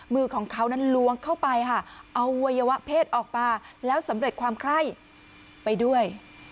มือของเขานั้นล้วงเข้าไปค่ะเอาวัยวะเพศออกมาแล้วสำเร็จความไคร่ไปด้วย